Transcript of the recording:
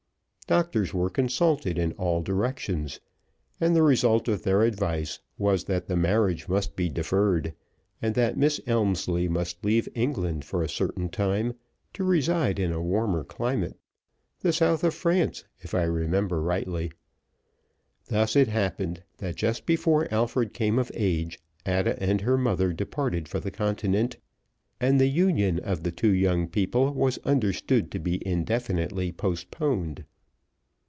Doctors were consulted in all directions, and the result of their advice was that the marriage must be deferred, and that Miss Elmslie must leave England for a certain time, to reside in a warmer climate the south of France, if I remember rightly. Thus it happened that just before Alfred came of age Ada and her mother departed for the Continent, and the union of the two young people was understood to be indefinitely postponed.